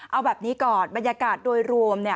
เอาแบบนี้ก่อนบรรยากาศโดยรวม